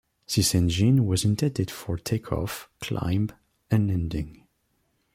This engine was intended for takeoff, climb and landing.